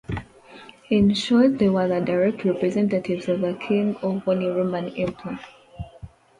In short, they were the direct representatives of the king or Holy Roman Emperor.